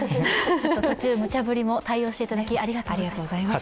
途中、むちゃぶりも対応していただき、ありがとうございました。